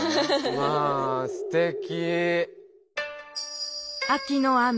まあすてき！